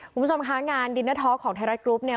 คุณผู้ชมคะงานดินเนอร์ท็อกของไทยรัฐกรุ๊ปเนี่ย